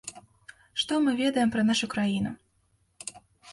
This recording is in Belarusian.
Што мы ведаем пра нашу краіну?